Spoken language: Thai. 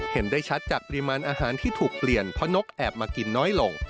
เห็นได้ชัดจากปริมาณอาหารที่ถูกเปลี่ยนเพราะนกแอบมากินน้อยลง